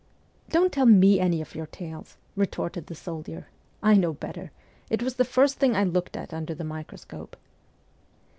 ' Don't tell me any of your tales !' retorted the soldier. ' I know better. It was the first thing I looked at under the microscope.'